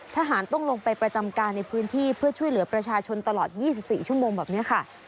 ทหารต้องลงไปประจำการในพื้นที่เพื่อช่วยเหลือประชาชนตลอด๒๔ชั่วโมงแบบนี้ค่ะ